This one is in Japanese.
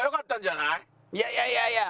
いやいやいやいや！